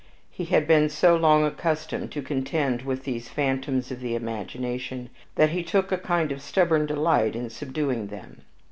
He had been so long accustomed to contend with these phantoms of the imagination, that he took a kind of stubborn delight in subduing them.